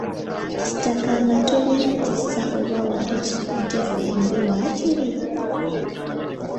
Kitaka nga tolina kisa oba wanditututte ffembi waakiri!?